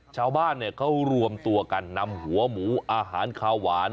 ชาวบ้านเขารวมตัวกันนำหัวหมูอาหารคาวหวาน